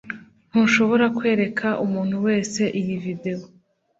ntushobora kwereka umuntu wese iyi video